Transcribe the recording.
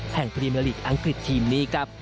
พรีเมอร์ลีกอังกฤษทีมนี้ครับ